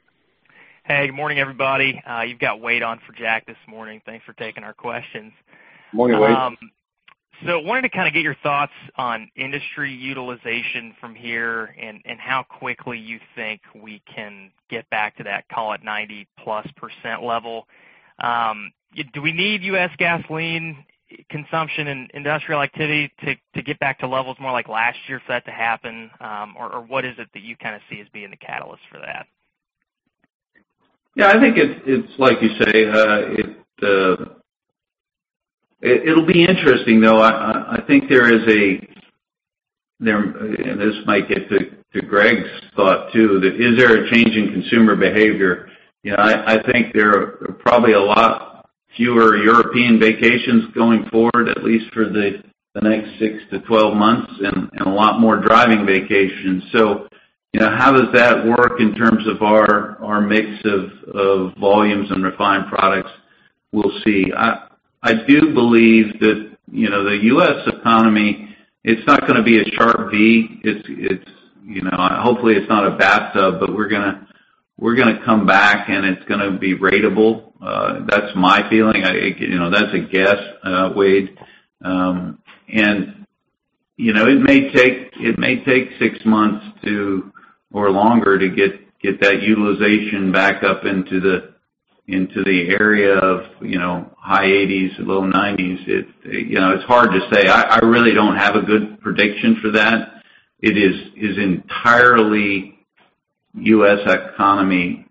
Hey, good morning, everybody. You've got Wade on for Jack this morning. Thanks for taking our questions. Morning, Wade. So wanted to kind of get your thoughts on industry utilization from here, and how quickly you think we can get back to that, call it 90%+ level. Do we need U.S. gasoline consumption and industrial activity to get back to levels more like last year for that to happen? Or what is it that you kind of see as being the catalyst for that? Yeah, I think it's like you say. It'll be interesting, though. I think there is a... There, and this might get to Greg's thought, too, that is there a change in consumer behavior? You know, I think there are probably a lot fewer European vacations going forward, at least for the next 6 to 12 months, and a lot more driving vacations. So, you know, how does that work in terms of our mix of volumes and refined products? We'll see. I do believe that, you know, the U.S. economy, it's not gonna be a sharp V. It's, you know, hopefully, it's not a bathtub. But we're gonna come back, and it's gonna be ratable. That's my feeling. You know, that's a guess, Wade. And, you know, it may take 6 months or longer to get that utilization back up into the area of, you know, high 80s, low 90s. It, you know, it's hard to say. I really don't have a good prediction for that. It is entirely U.S. economy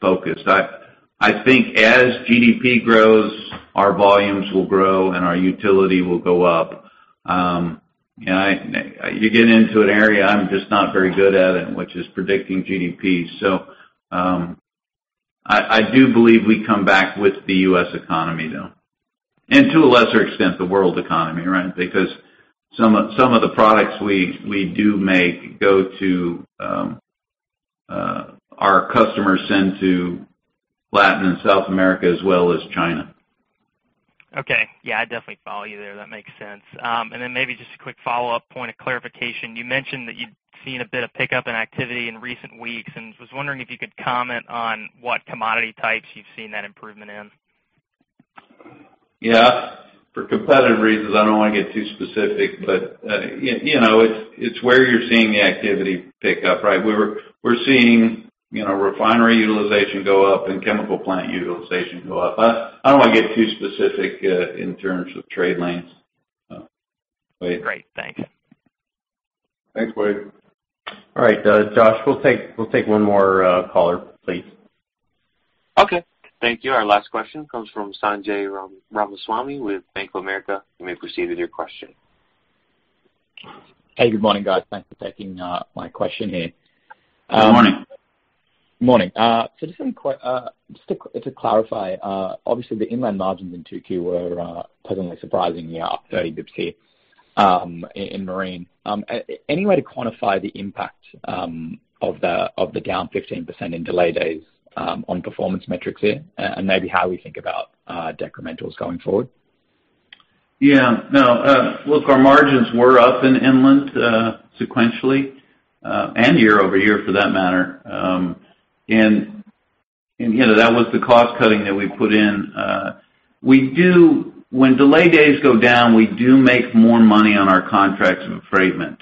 focused. I think as GDP grows, our volumes will grow and our utility will go up. And I, you get into an area I'm just not very good at, which is predicting GDP. So, I do believe we come back with the U.S. economy, though, and to a lesser extent, the world economy, right? Because some of the products we do make go to our customers send to Latin America and South America as well as China. Okay. Yeah, I definitely follow you there. That makes sense. And then maybe just a quick follow-up point of clarification. You mentioned that you've seen a bit of pickup in activity in recent weeks, and was wondering if you could comment on what commodity types you've seen that improvement in? Yeah. For competitive reasons, I don't want to get too specific, but you know, it's where you're seeing the activity pick up, right? We're seeing, you know, refinery utilization go up and chemical plant utilization go up. I don't want to get too specific in terms of trade lanes. So. Great. Thank you. Thanks, Wade. All right, Josh, we'll take, we'll take one more caller, please. Okay, thank you. Our last question comes from Sanjay Ramaswamy with Bank of America. You may proceed with your question. Hey, good morning, guys. Thanks for taking my question here. Good morning. Morning. So just to clarify, obviously the inland margins in 2Q were pleasantly surprising, me, up 30 basis points in marine. Any way to quantify the impact of the down 15% in delay days on performance metrics here, and maybe how we think about decrementals going forward? Yeah. No, look, our margins were up in inland, sequentially, and year over year for that matter. And, you know, that was the cost cutting that we put in. We do... When delay days go down, we do make more money on our contracts of affreightment.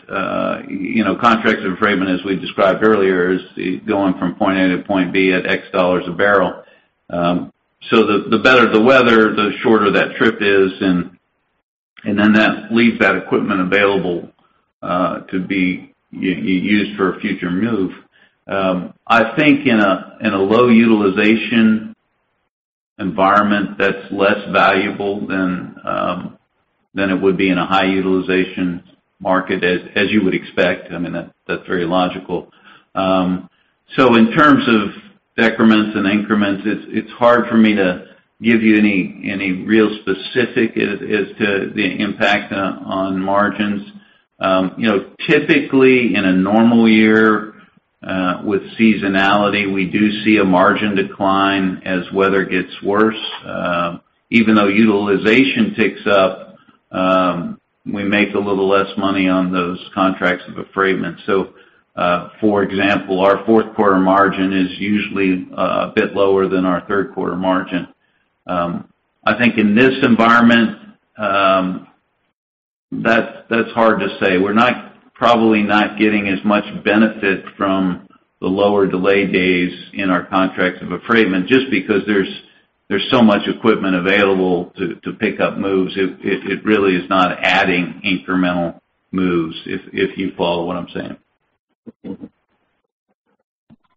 You know, contracts of affreightment, as we described earlier, is going from point A to point B at X dollars a barrel. So the, the better the weather, the shorter that trip is, and, and then that leaves that equipment available, to be used for a future move. I think in a, in a low utilization environment, that's less valuable than, than it would be in a high utilization market, as, as you would expect. I mean, that's, that's very logical. So in terms of decrements and increments, it's hard for me to give you any real specifics as to the impact on margins. You know, typically in a normal year, with seasonality, we do see a margin decline as weather gets worse. Even though utilization ticks up, we make a little less money on those contracts of affreightment. So, for example, our fourth quarter margin is usually a bit lower than our third quarter margin. I think in this environment, that's hard to say. We're probably not getting as much benefit from the lower delay days in our contracts of affreightment, just because there's so much equipment available to pick up moves. It really is not adding incremental moves, if you follow what I'm saying.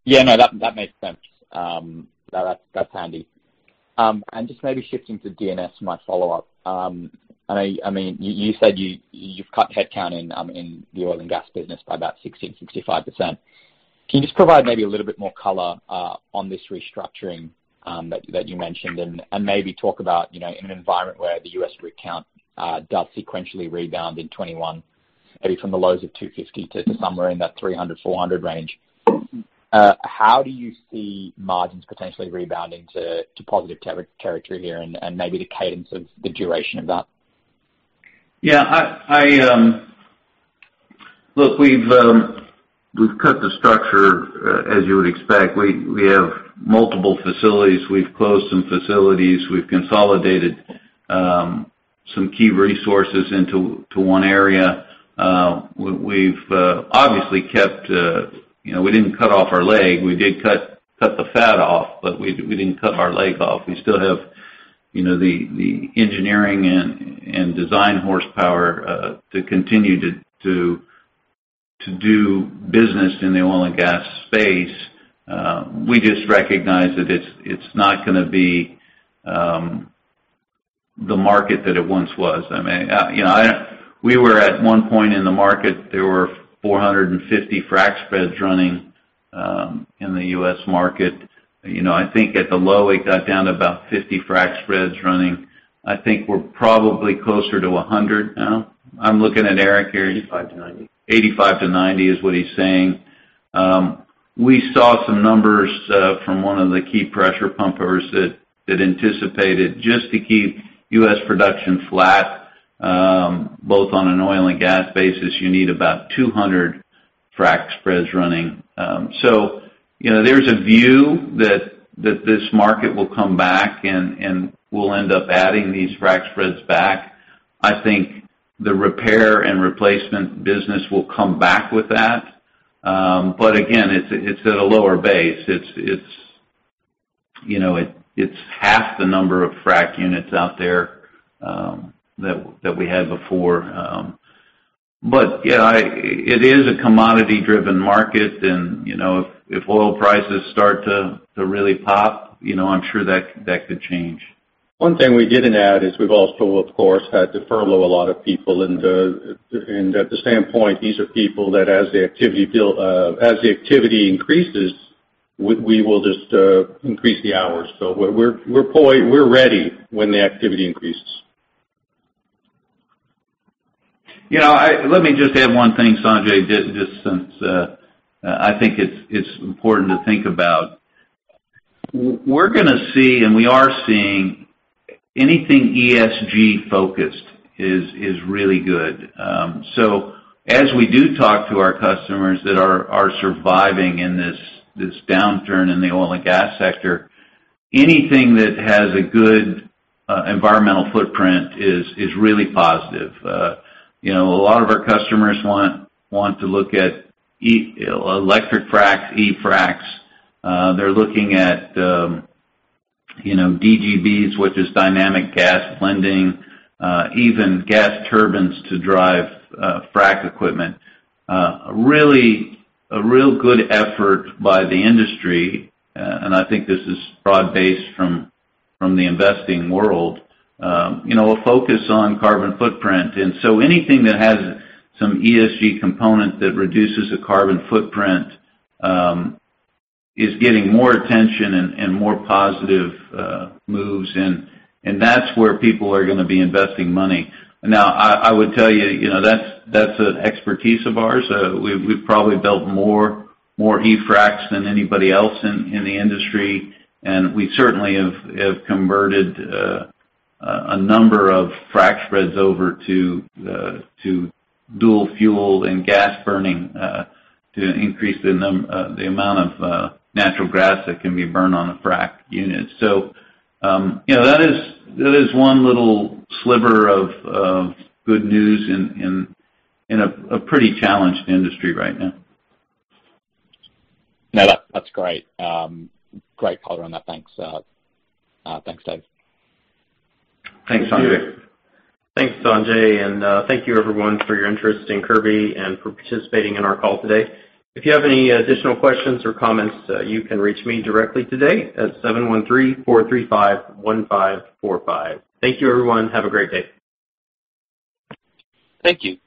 Yeah, no, that makes sense. That's handy. And just maybe shifting to DNS, my follow up. I know—I mean, you said you've cut headcount in the oil and gas business by about 60%-65%. Can you just provide maybe a little bit more color on this restructuring that you mentioned? And maybe talk about, you know, in an environment where the U.S. rig count does sequentially rebound in 2021, maybe from the lows of 250 to somewhere in that 300-400 range. How do you see margins potentially rebounding to positive charter territory here and maybe the cadence of the duration of that? Yeah, Look, we've cut the structure as you would expect. We have multiple facilities. We've closed some facilities. We've consolidated some key resources into one area. We've obviously kept, you know, we didn't cut off our leg. We did cut the fat off, but we didn't cut our leg off. We still have, you know, the engineering and design horsepower to continue to do business in the oil and gas space. We just recognize that it's not gonna be the market that it once was. I mean, you know, I don't- We were at one point in the market, there were 450 frac spreads running in the U.S. market. You know, I think at the low, it got down to about 50 frac spreads running. I think we're probably closer to 100 now. I'm looking at Eric here. 85-90. 85-90 is what he's saying. We saw some numbers from one of the key pressure pumpers that anticipated just to keep U.S. production flat, both on an oil and gas basis, you need about 200 frac spreads running. So, you know, there's a view that this market will come back and we'll end up adding these frac spreads back. I think the repair and replacement business will come back with that. But again, it's at a lower base. It's. You know, it's half the number of frac units out there that we had before. But yeah, it is a commodity-driven market, and, you know, if oil prices start to really pop, you know, I'm sure that could change. One thing we didn't add is we've also, of course, had to furlough a lot of people, and and at the same point, these are people that, as the activity build, as the activity increases, we, we will just, increase the hours. So we're, we're ready when the activity increases. You know, let me just add one thing, Sanjay, just since I think it's important to think about. We're gonna see, and we are seeing, anything ESG focused is really good. So as we do talk to our customers that are surviving in this downturn in the oil and gas sector, anything that has a good environmental footprint is really positive. You know, a lot of our customers want to look at electric fracs, e-fracs. They're looking at, you know, DGBs, which is dynamic gas blending, even gas turbines to drive frac equipment. Really, a real good effort by the industry, and I think this is broad-based from the investing world, you know, a focus on carbon footprint. And so anything that has some ESG component that reduces the carbon footprint is getting more attention and more positive moves, and that's where people are gonna be investing money. Now, I would tell you, you know, that's an expertise of ours. We've probably built more e-fracs than anybody else in the industry, and we certainly have converted a number of frac spreads over to dual fuel and gas burning to increase the amount of natural gas that can be burned on a frac unit. So, you know, that is one little sliver of good news in a pretty challenged industry right now. No, that, that's great. Great color on that. Thanks, thanks, Dave. Thanks, Sanjay. Thanks, Sanjay, and thank you everyone for your interest in Kirby and for participating in our call today. If you have any additional questions or comments, you can reach me directly today at 713-435-1545. Thank you, everyone. Have a great day. Thank you.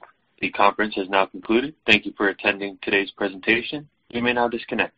The conference has now concluded. Thank you for attending today's presentation. You may now disconnect.